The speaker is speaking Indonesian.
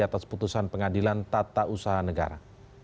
atas putusan pengadilan tata usaha negara